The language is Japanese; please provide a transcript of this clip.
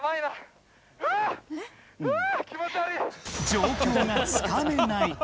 状況がつかめない。